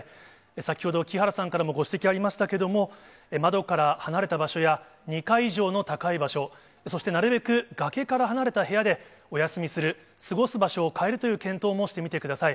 先ほど、木原さんからもご指摘ありましたけれども、窓から離れた場所や、２階以上の高い場所、そしてなるべく崖から離れた部屋でお休みする、過ごす場所を変えるという検討もしてみてください。